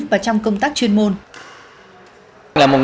và trong công tác chuyên môn